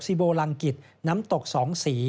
โบลังกิจน้ำตกสองสี